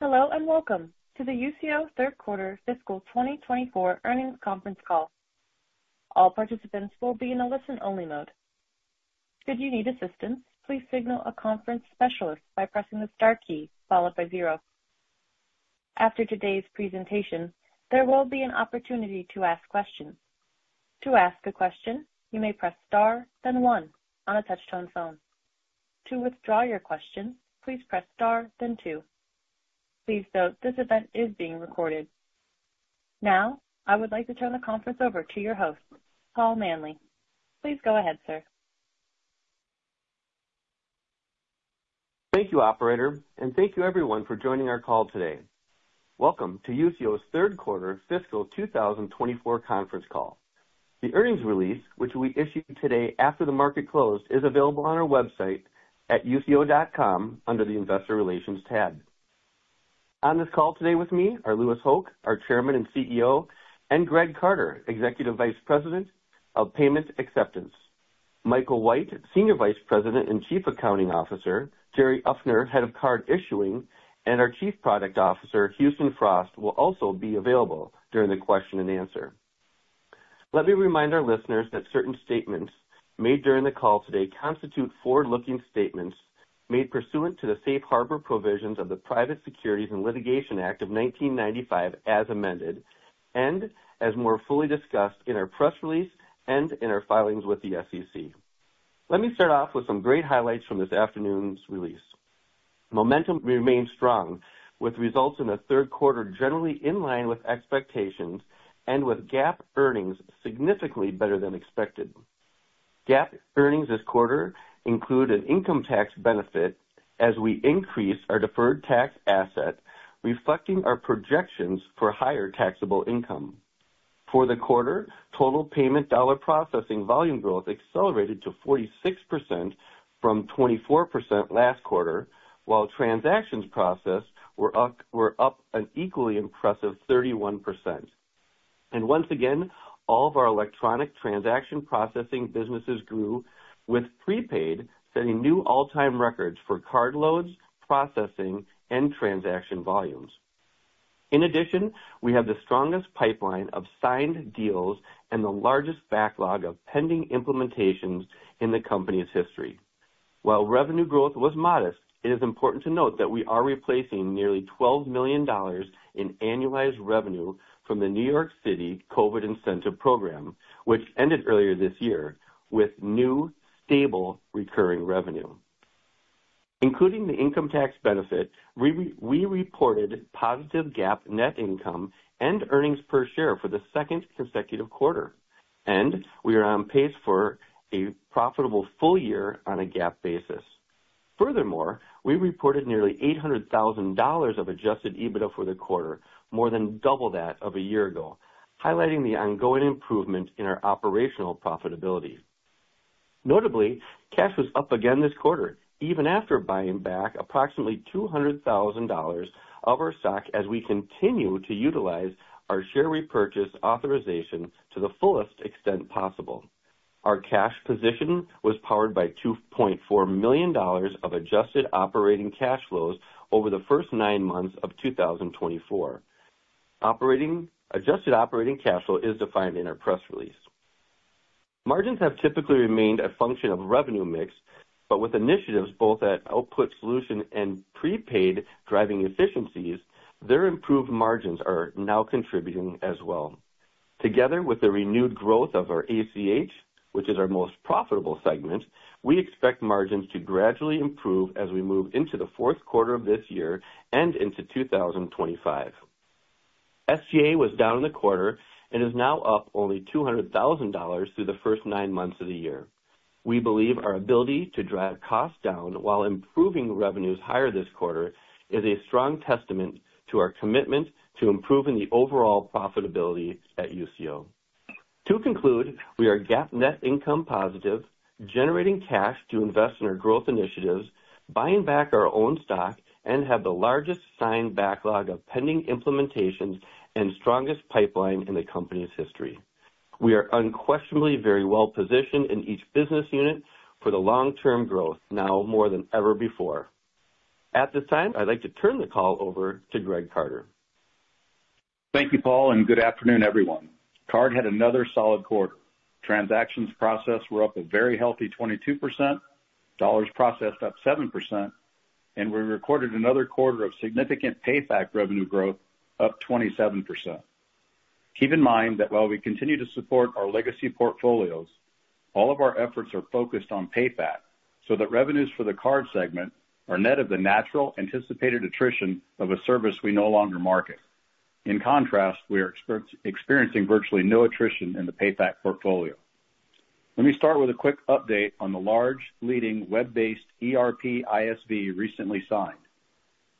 Hello and welcome to the Usio Third Quarter Fiscal 2024 Earnings Conference Call. All participants will be in a listen-only mode. Should you need assistance, please signal a conference specialist by pressing the star key followed by zero. After today's presentation, there will be an opportunity to ask questions. To ask a question, you may press star, then one on a touch-tone phone. To withdraw your question, please press star, then two. Please note this event is being recorded. Now, I would like to turn the conference over to your host, Paul Manley. Please go ahead, sir. Thank you, operator, and thank you, everyone, for joining our call today. Welcome to Usio's Third Quarter Fiscal 2024 Conference Call. The earnings release, which we issued today after the market closed, is available on our website at usio.com under the Investor Relations tab. On this call today with me are Louis Hoch, our Chairman and CEO, and Greg Carter, Executive Vice President of Payment Acceptance. Michael White, Senior Vice President and Chief Accounting Officer, Jerry Uffner, Head of Card Issuing, and our Chief Product Officer, Houston Frost, will also be available during the question and answer. Let me remind our listeners that certain statements made during the call today constitute forward-looking statements made pursuant to the Safe Harbor Provisions of the Private Securities Litigation Reform Act of 1995, as amended and as more fully discussed in our press release and in our filings with the SEC. Let me start off with some great highlights from this afternoon's release. Momentum remained strong, with results in the third quarter generally in line with expectations and with GAAP earnings significantly better than expected. GAAP earnings this quarter include an income tax benefit as we increase our deferred tax asset, reflecting our projections for higher taxable income. For the quarter, total payment dollar processing volume growth accelerated to 46% from 24% last quarter, while transactions processed were up an equally impressive 31%, and once again, all of our electronic transaction processing businesses grew, with prepaid setting new all-time records for card loads, processing, and transaction volumes. In addition, we have the strongest pipeline of signed deals and the largest backlog of pending implementations in the company's history. While revenue growth was modest, it is important to note that we are replacing nearly $12 million in annualized revenue from the New York City COVID incentive program, which ended earlier this year, with new stable recurring revenue. Including the income tax benefit, we reported positive GAAP net income and earnings per share for the second consecutive quarter, and we are on pace for a profitable full year on a GAAP basis. Furthermore, we reported nearly $800,000 of adjusted EBITDA for the quarter, more than double that of a year ago, highlighting the ongoing improvement in our operational profitability. Notably, cash was up again this quarter, even after buying back approximately $200,000 of our stock as we continue to utilize our share repurchase authorization to the fullest extent possible. Our cash position was powered by $2.4 million of adjusted operating cash flows over the first nine months of 2024. Adjusted operating cash flow is defined in our press release. Margins have typically remained a function of revenue mix, but with initiatives both at Output Solutions and prepaid driving efficiencies, their improved margins are now contributing as well. Together with the renewed growth of our ACH, which is our most profitable segment, we expect margins to gradually improve as we move into the fourth quarter of this year and into 2025. SG&A was down in the quarter and is now up only $200,000 through the first nine months of the year. We believe our ability to drive costs down while improving revenues higher this quarter is a strong testament to our commitment to improving the overall profitability at Usio. To conclude, we are GAAP net income positive, generating cash to invest in our growth initiatives, buying back our own stock, and have the largest signed backlog of pending implementations and strongest pipeline in the company's history. We are unquestionably very well positioned in each business unit for the long-term growth now more than ever before. At this time, I'd like to turn the call over to Greg Carter. Thank you, Paul, and good afternoon, everyone. Card had another solid quarter. Transactions processed were up a very healthy 22%, dollars processed up 7%, and we recorded another quarter of significant PayFac revenue growth, up 27%. Keep in mind that while we continue to support our legacy portfolios, all of our efforts are focused on PayFac so that revenues for the card segment are net of the natural anticipated attrition of a service we no longer market. In contrast, we are experiencing virtually no attrition in the PayFac portfolio. Let me start with a quick update on the large leading web-based ERP ISV recently signed.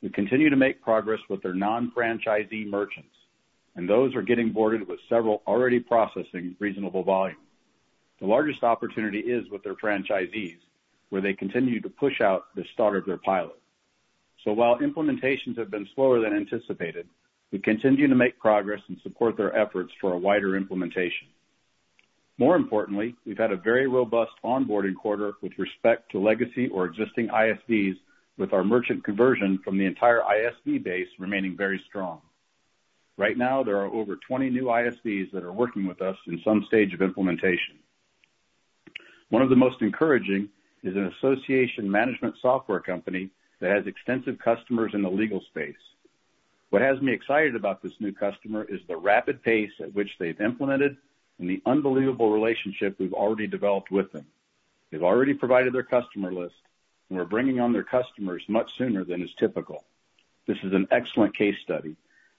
We continue to make progress with their non-franchisee merchants, and those are getting boarded with several already processing reasonable volume. The largest opportunity is with their franchisees, where they continue to push out the start of their pilot. So while implementations have been slower than anticipated, we continue to make progress and support their efforts for a wider implementation. More importantly, we've had a very robust onboarding quarter with respect to legacy or existing ISVs, with our merchant conversion from the entire ISV base remaining very strong. Right now, there are over 20 new ISVs that are working with us in some stage of implementation. One of the most encouraging is an association management software company that has extensive customers in the legal space. What has me excited about this new customer is the rapid pace at which they've implemented and the unbelievable relationship we've already developed with them. They've already provided their customer list, and we're bringing on their customers much sooner than is typical. This is an excellent case study.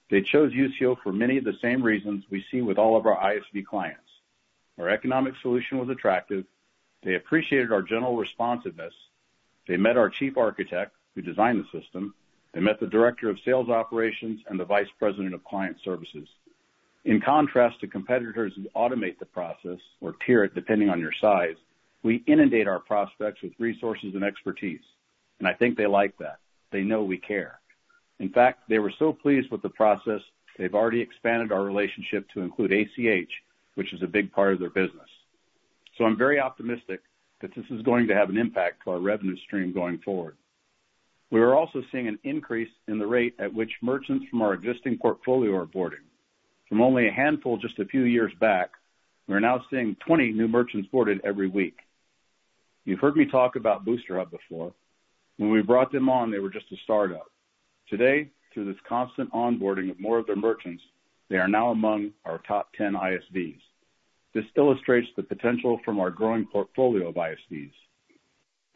They chose Usio for many of the same reasons we see with all of our ISV clients. Our economic solution was attractive. They appreciated our general responsiveness. They met our chief architect who designed the system. They met the director of sales operations and the vice president of client services. In contrast to competitors who automate the process or tier it depending on your size, we inundate our prospects with resources and expertise, and I think they like that. They know we care. In fact, they were so pleased with the process, they've already expanded our relationship to include ACH, which is a big part of their business, so I'm very optimistic that this is going to have an impact on our revenue stream going forward. We are also seeing an increase in the rate at which merchants from our existing portfolio are boarding. From only a handful just a few years back, we're now seeing 20 new merchants boarded every week. You've heard me talk about BoosterHub before. When we brought them on, they were just a startup. Today, through this constant onboarding of more of their merchants, they are now among our top 10 ISVs. This illustrates the potential from our growing portfolio of ISVs.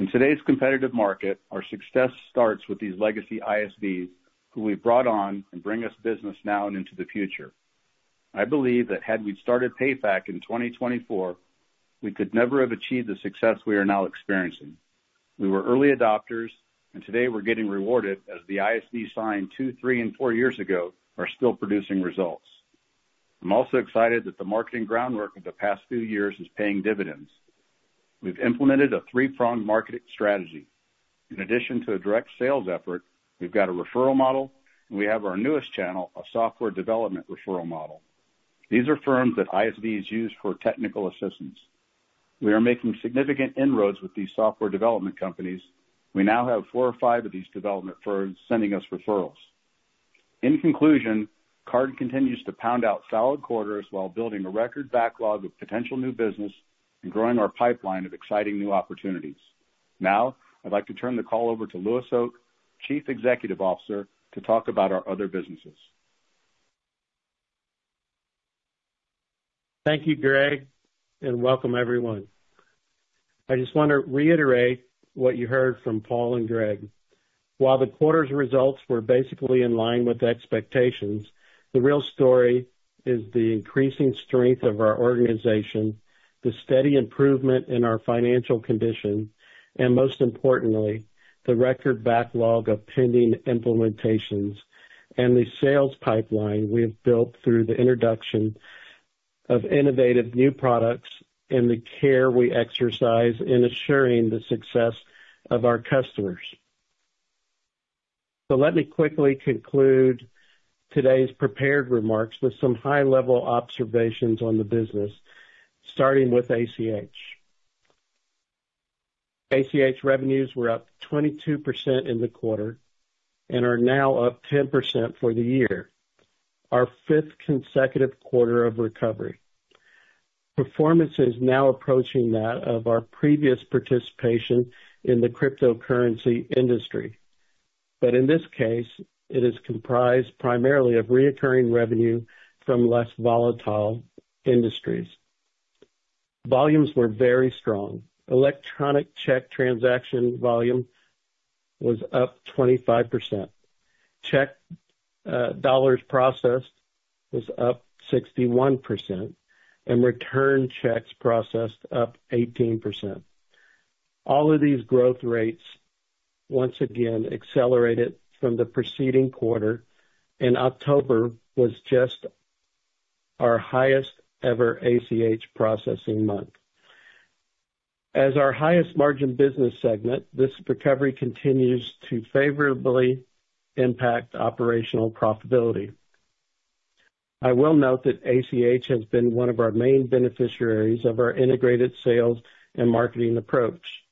In today's competitive market, our success starts with these legacy ISVs who we brought on and bring us business now and into the future. I believe that had we started PayFac in 2024, we could never have achieved the success we are now experiencing. We were early adopters, and today we're getting rewarded as the ISVs signed two, three, and four years ago are still producing results. I'm also excited that the marketing groundwork of the past few years is paying dividends. We've implemented a three-pronged marketing strategy. In addition to a direct sales effort, we've got a referral model, and we have our newest channel, a software development referral model. These are firms that ISVs use for technical assistance. We are making significant inroads with these software development companies. We now have four or five of these development firms sending us referrals. In conclusion, Card continues to pound out solid quarters while building a record backlog of potential new business and growing our pipeline of exciting new opportunities. Now, I'd like to turn the call over to Louis Hoch, Chief Executive Officer, to talk about our other businesses. Thank you, Greg, and welcome, everyone. I just want to reiterate what you heard from Paul and Greg. While the quarter's results were basically in line with expectations, the real story is the increasing strength of our organization, the steady improvement in our financial condition, and most importantly, the record backlog of pending implementations and the sales pipeline we have built through the introduction of innovative new products and the care we exercise in assuring the success of our customers. So let me quickly conclude today's prepared remarks with some high-level observations on the business, starting with ACH. ACH revenues were up 22% in the quarter and are now up 10% for the year. Our fifth consecutive quarter of recovery. Performance is now approaching that of our previous participation in the cryptocurrency industry, but in this case, it is comprised primarily of recurring revenue from less volatile industries. Volumes were very strong. Electronic check transaction volume was up 25%. Check dollars processed was up 61%, and returned checks processed up 18%. All of these growth rates, once again, accelerated from the preceding quarter, and October was just our highest-ever ACH processing month. As our highest margin business segment, this recovery continues to favorably impact operational profitability. I will note that ACH has been one of our main beneficiaries of our integrated sales and marketing approach.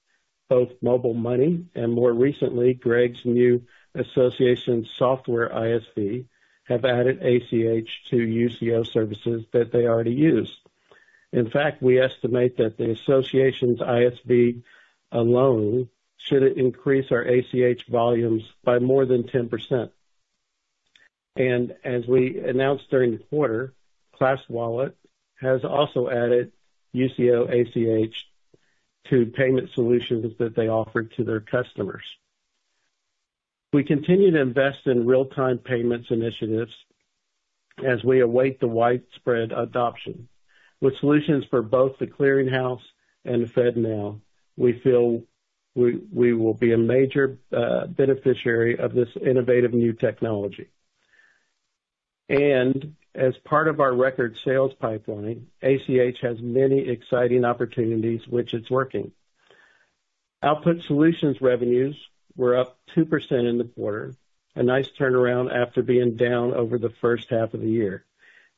Both MobileMoney and, more recently, Greg's new association software ISV have added ACH to Usio services that they already use. In fact, we estimate that the association's ISV alone should increase our ACH volumes by more than 10%. And as we announced during the quarter, ClassWallet has also added Usio ACH to payment solutions that they offer to their customers. We continue to invest in real-time payments initiatives as we await the widespread adoption. With solutions for both The Clearing House and the FedNow, we feel we will be a major beneficiary of this innovative new technology, and as part of our record sales pipeline, ACH has many exciting opportunities which it's working. Output Solutions revenues were up 2% in the quarter, a nice turnaround after being down over the first half of the year.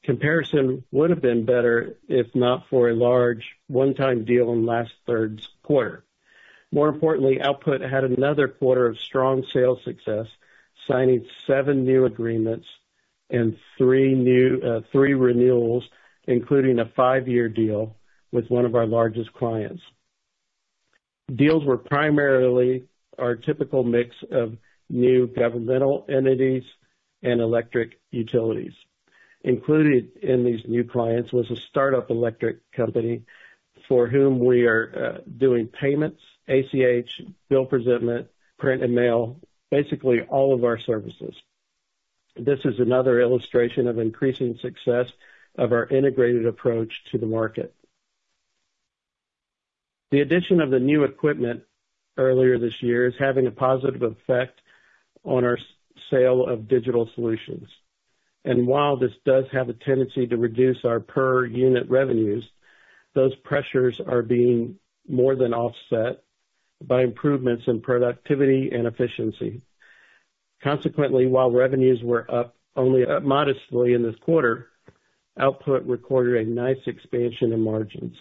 Comparison would have been better if not for a large one-time deal in last third quarter. More importantly, Output had another quarter of strong sales success, signing seven new agreements and three renewals, including a five-year deal with one of our largest clients. Deals were primarily our typical mix of new governmental entities and electric utilities. Included in these new clients was a startup electric company for whom we are doing payments, ACH, bill presentment, print and mail, basically all of our services. This is another illustration of increasing success of our integrated approach to the market. The addition of the new equipment earlier this year is having a positive effect on our sales of digital solutions. And while this does have a tendency to reduce our per-unit revenues, those pressures are being more than offset by improvements in productivity and efficiency. Consequently, while revenues were up only modestly in this quarter, Output recorded a nice expansion in margins.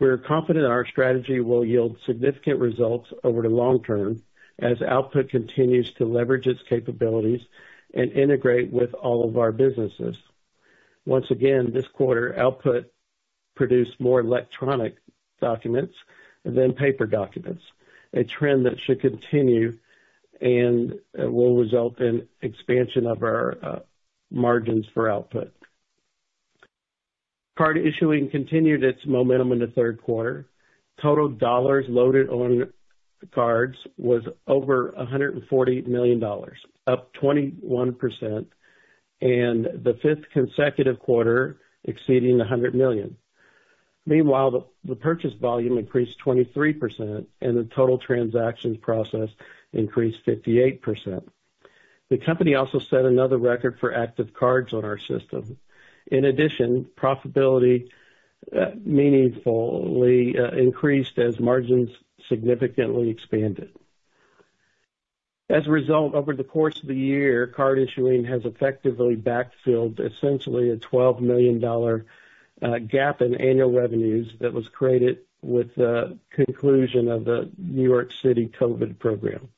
We're confident our strategy will yield significant results over the long term as Output continues to leverage its capabilities and integrate with all of our businesses. Once again, this quarter, Output produced more electronic documents than paper documents, a trend that should continue and will result in expansion of our margins for Output. Card Issuing continued its momentum in the third quarter. Total dollars loaded on cards was over $140 million, up 21%, and the fifth consecutive quarter exceeding $100 million. Meanwhile, the purchase volume increased 23%, and the total transactions process increased 58%. The company also set another record for active cards on our system. In addition, profitability meaningfully increased as margins significantly expanded. As a result, over the course of the year, Card Issuing has effectively backfilled essentially a $12 million gap in annual revenues that was created with the conclusion of the New York City COVID program.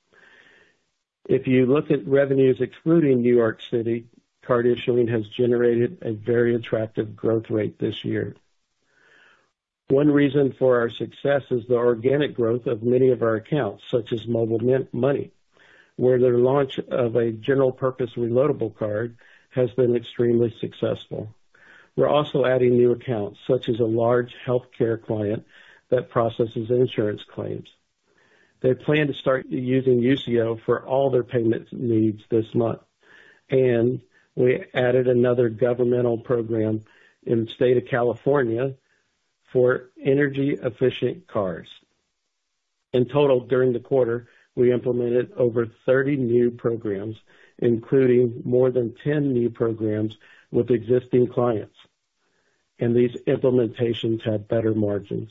If you look at revenues excluding New York City, Card Issuing has generated a very attractive growth rate this year. One reason for our success is the organic growth of many of our accounts, such as MobileMoney, where the launch of a general-purpose reloadable card has been extremely successful. We're also adding new accounts, such as a large healthcare client that processes insurance claims. They plan to start using Usio for all their payment needs this month, and we added another governmental program in the state of California for energy-efficient cars. In total, during the quarter, we implemented over 30 new programs, including more than 10 new programs with existing clients, and these implementations have better margins.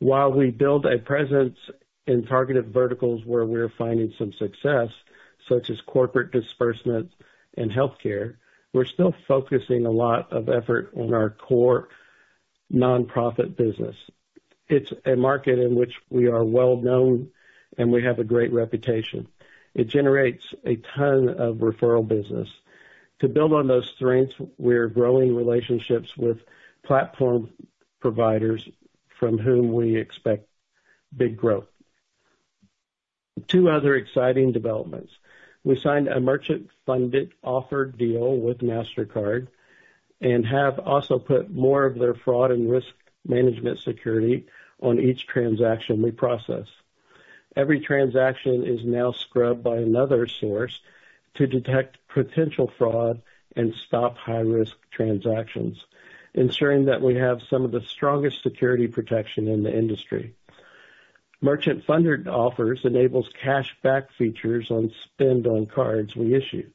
While we build a presence in targeted verticals where we're finding some success, such as corporate disbursement and healthcare, we're still focusing a lot of effort on our core nonprofit business. It's a market in which we are well-known, and we have a great reputation. It generates a ton of referral business. To build on those strengths, we're growing relationships with platform providers from whom we expect big growth. Two other exciting developments. We signed a merchant-funded offer deal with Mastercard and have also put more of their fraud and risk management security on each transaction we process. Every transaction is now scrubbed by another source to detect potential fraud and stop high-risk transactions, ensuring that we have some of the strongest security protection in the industry. Merchant-funded offers enable cash-back features on spend on cards we issue,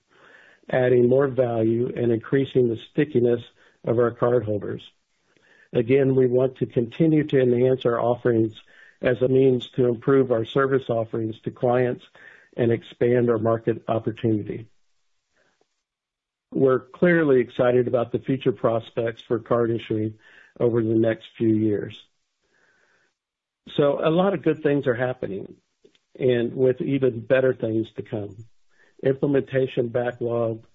adding more value and increasing the stickiness of our cardholders. Again, we want to continue to enhance our offerings as a means to improve our service offerings to clients and expand our market opportunity. We're clearly excited about the future prospects for Card Issuing over the next few years. So a lot of good things are happening, and with even better things to come. Implementation backlog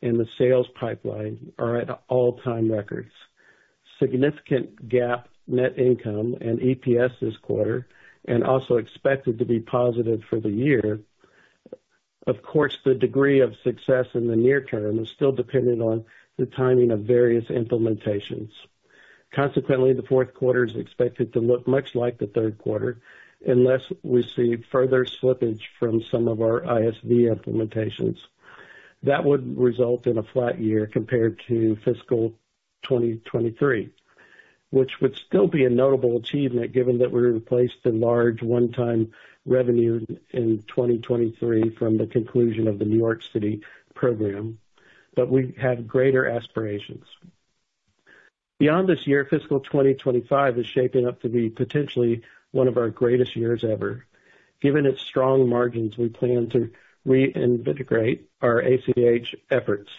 and the sales pipeline are at all-time records. Significant GAAP net income and EPS this quarter and also expected to be positive for the year. Of course, the degree of success in the near term is still dependent on the timing of various implementations. Consequently, the fourth quarter is expected to look much like the third quarter unless we see further slippage from some of our ISV implementations. That would result in a flat year compared to fiscal 2023, which would still be a notable achievement given that we replaced the large one-time revenue in 2023 from the conclusion of the New York City program, but we have greater aspirations. Beyond this year, fiscal 2025 is shaping up to be potentially one of our greatest years ever. Given its strong margins, we plan to reinvigorate our ACH efforts,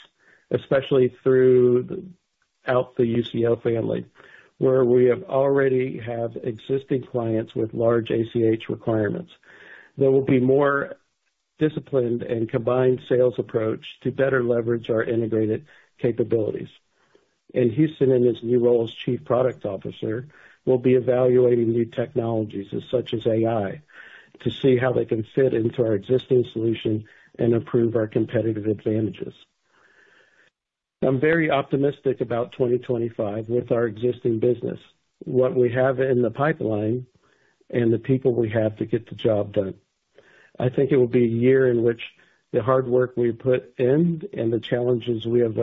especially throughout the Usio family, where we already have existing clients with large ACH requirements. There will be more disciplined and combined sales approach to better leverage our integrated capabilities, and Houston, in his new role as Chief Product Officer, will be evaluating new technologies such as AI to see how they can fit into our existing solution and improve our competitive advantages. I'm very optimistic about 2025 with our existing business, what we have in the pipeline, and the people we have to get the job done. I think it will be a year in which the hard work we put in and the challenges we have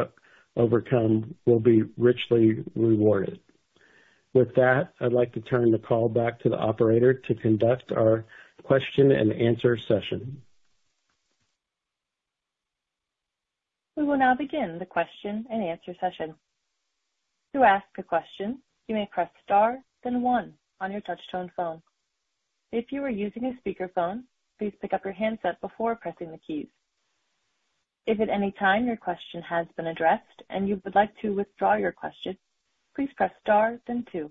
overcome will be richly rewarded. With that, I'd like to turn the call back to the operator to conduct our question and answer session. We will now begin the question and answer session. To ask a question, you may press star, then one on your touch-tone phone. If you are using a speakerphone, please pick up your handset before pressing the keys. If at any time your question has been addressed and you would like to withdraw your question, please press star, then two.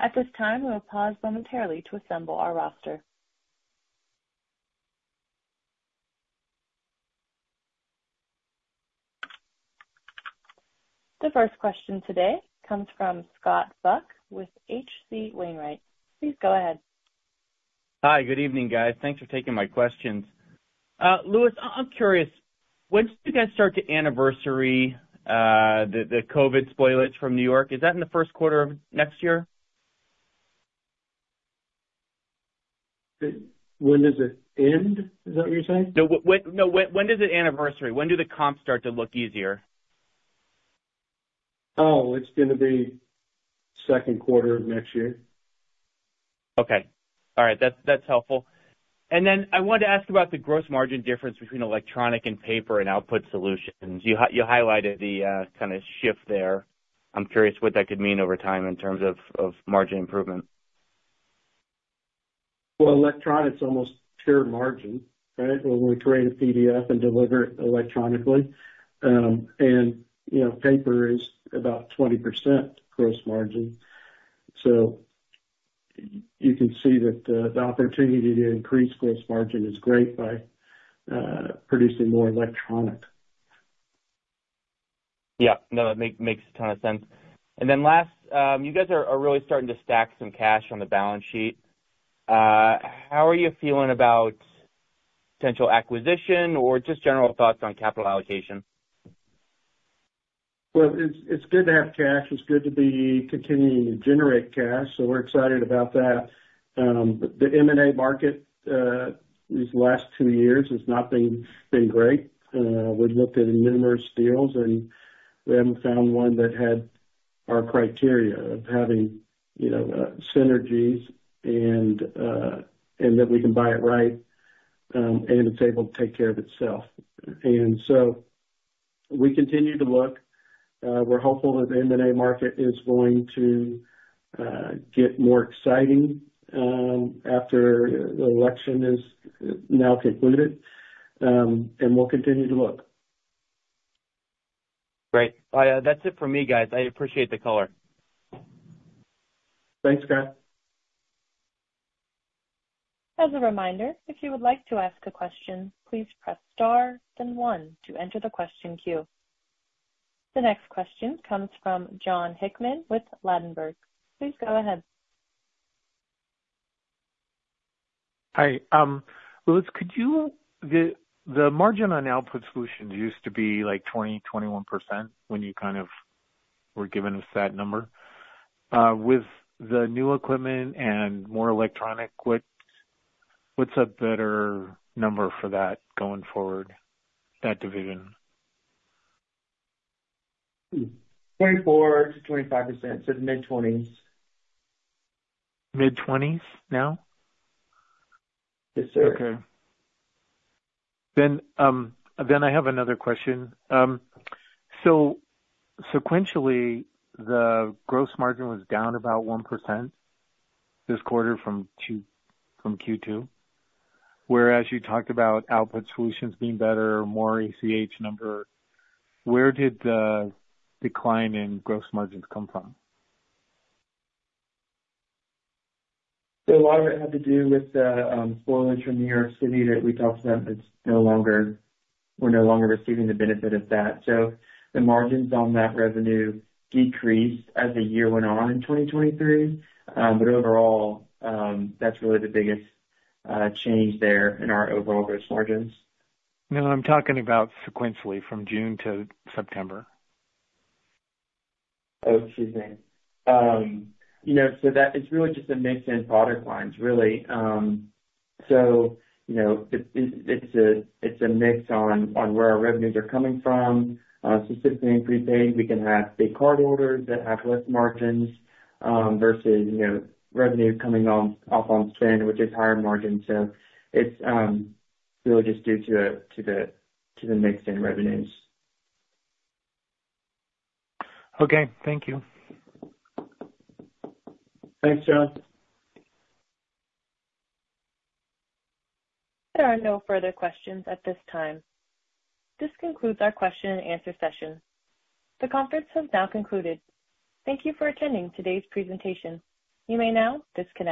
At this time, we will pause momentarily to assemble our roster. The first question today comes from Scott Buck with H.C. Wainwright. Please go ahead. Hi, good evening, guys. Thanks for taking my questions. Louis, I'm curious. When did you guys end the COVID incentives from New York? Is that in the first quarter of next year? When does it end? Is that what you're saying? No, when does it anniversary? When do the comps start to look easier? Oh, it's going to be second quarter of next year. Okay. All right. That's helpful. And then I wanted to ask about the gross margin difference between electronic and paper and Output Solutions. You highlighted the kind of shift there. I'm curious what that could mean over time in terms of margin improvement. Electronic almost tiered margin, right? When we create a PDF and deliver it electronically, and paper is about 20% gross margin, so you can see that the opportunity to increase gross margin is great by producing more electronic. Yeah. No, that makes a ton of sense, and then last, you guys are really starting to stack some cash on the balance sheet. How are you feeling about potential acquisition or just general thoughts on capital allocation? It's good to have cash. It's good to be continuing to generate cash, so we're excited about that. The M&A market these last two years has not been great. We've looked at numerous deals, and we haven't found one that had our criteria of having synergies and that we can buy it right and it's able to take care of itself. And so we continue to look. We're hopeful that the M&A market is going to get more exciting after the election is now concluded, and we'll continue to look. Great. That's it for me, guys. I appreciate the call. Thanks, Scott. As a reminder, if you would like to ask a question, please press star, then one to enter the question queue. The next question comes from Jon Hickman with Ladenburg. Please go ahead. Hi. Louis, could you, the margin on Output Solutions used to be like 20%-21% when you kind of were given a set number. With the new equipment and more electronic, what's a better number for that going forward, that division? 24%-25%, so the mid-20s. Mid-20s now? Yes, sir. Okay. Then I have another question. So sequentially, the gross margin was down about 1% this quarter from Q2, whereas you talked about Output Solutions being better, more ACH number. Where did the decline in gross margins come from? A lot of it had to do with the spoilage from New York City that we talked about. We're no longer receiving the benefit of that. So the margins on that revenue decreased as the year went on in 2023, but overall, that's really the biggest change there in our overall gross margins. Now, I'm talking about sequentially from June to September. Oh, excuse me. So it's really just a mix in product lines, really. So it's a mix on where our revenues are coming from. Specifically in prepaid, we can have big card holders that have less margins versus revenue coming off on spend, which is higher margins. So it's really just due to the mix in revenues. Okay. Thank you. Thanks, Jon. There are no further questions at this time. This concludes our question and answer session. The conference has now concluded. Thank you for attending today's presentation. You may now disconnect.